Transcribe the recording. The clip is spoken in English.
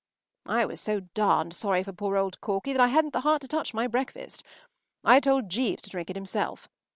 I was so darned sorry for poor old Corky that I hadn’t the heart to touch my breakfast. I told Jeeves to drink it himself.